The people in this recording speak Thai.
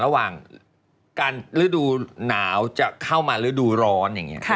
ระหว่างการฤดูหนาวจะเข้ามาฤดูร้อนอย่างนี้